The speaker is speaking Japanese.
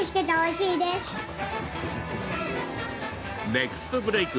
ネクストブレーク